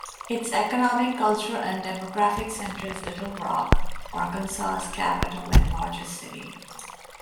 Its economic, cultural, and demographic center is Little Rock, Arkansas's capital and largest city.